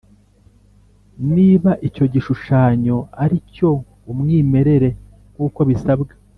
Niba icyo gishushanyo ari umwimerere nk’uko bisabwa